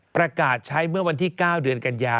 ประกาศใช้เมื่อวันที่๙เดือนกันยา